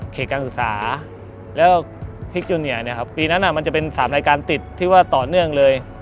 การศึกษาแล้วพลิกจูเนียเนี่ยครับปีนั้นมันจะเป็น๓รายการติดที่ว่าต่อเนื่องเลย